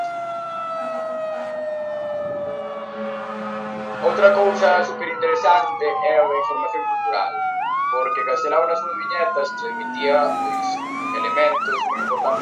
El especial de Navidad es una tradición en las series de televisión británica.